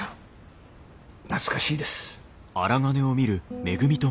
懐かしいです。